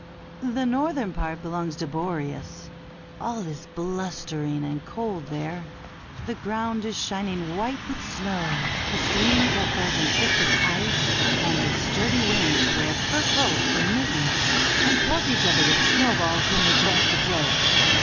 The northern part belongs to Boreas. All is blustering and cold there ; the ground is shining white with snow, the streams are frozen thick with ice, and the sturdy winds wear fur coats and mittens, and pelt each other with snowballs when they go out to play.